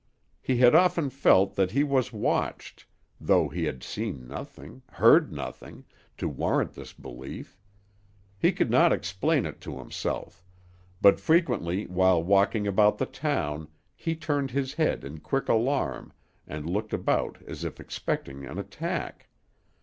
He had often felt that he was watched, though he had seen nothing, heard nothing, to warrant this belief. He could not explain it to himself; but frequently while walking about the town he turned his head in quick alarm, and looked about as if expecting an attack.